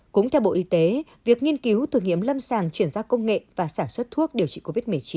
cũng theo bộ y tế việc nghiên cứu thử nghiệm lâm sàng chuyển giao công nghệ và sản xuất thuốc điều trị covid một mươi chín